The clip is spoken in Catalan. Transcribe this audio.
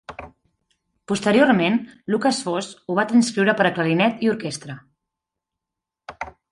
Posteriorment, Lukas Foss ho va transcriure per a clarinet i orquestra.